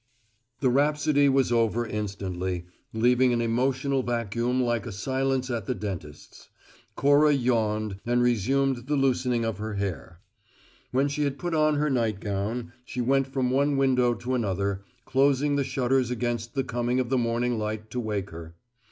The rhapsody was over instantly, leaving an emotional vacuum like a silence at the dentist's. Cora yawned, and resumed the loosening of her hair. When she had put on her nightgown, she went from one window to another, closing the shutters against the coming of the morning light to wake her.